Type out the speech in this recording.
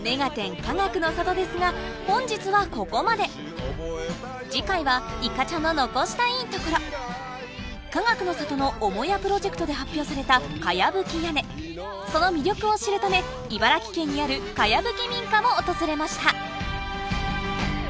かがくの里ですが本日はここまで次回は「いかちゃんの残したいトコロ」かがくの里の母屋プロジェクトで発表された茅葺き屋根その魅力を知るため茨城県にある茅葺き民家を訪れました